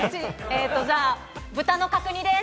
じゃあ、豚の角煮です！